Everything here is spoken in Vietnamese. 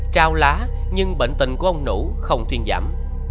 trao lá nhưng bệnh tình của ông nũ không thuyên giảm